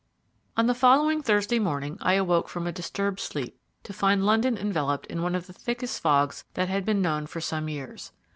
On the following Thursday morning I awoke from a disturbed sleep to find London enveloped in one of the thickest fogs that had been known for some years.